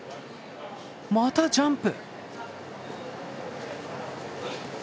またジャンプ！